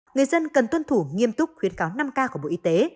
người dân cần tuân thủ nghiêm túc khuyến cáo năm k của bộ y tế